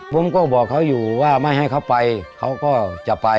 ผมก็บอกเขาอยู่ว่าไม่ให้เขาไปเขาก็จะไป